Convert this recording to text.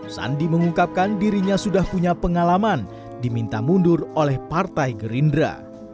sandi mengungkapkan dirinya sudah punya pengalaman diminta mundur oleh partai gerindra